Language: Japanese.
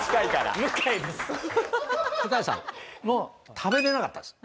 もう食べれなかったです。